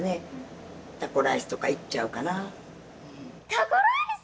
タコライス！